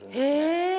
へえ。